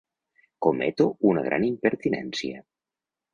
Cometo una gran impertinència.